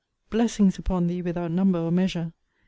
Blessings upon thee without number or measure!